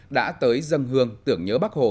đã tới dân hương tưởng nhớ bắc hồ